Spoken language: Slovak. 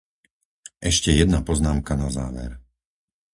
Ešte jedna poznámka na záver.